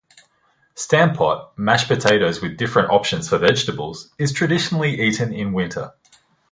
"Stamppot", mashed potatoes with different options for vegetables, is traditionally eaten in winter.